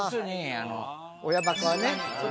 親バカはね。